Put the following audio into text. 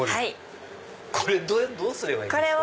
これどうすればいいんですか？